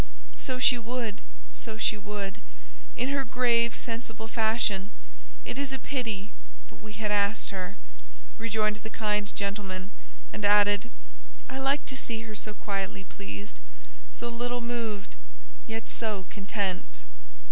"So she would, so she would, in her grave sensible fashion; it is a pity but we had asked her," rejoined the kind gentleman; and added, "I like to see her so quietly pleased; so little moved, yet so content."